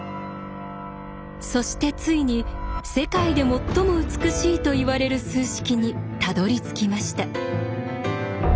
そしてついに世界で最も美しいといわれる数式にたどりつきました。